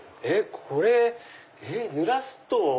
これぬらすと。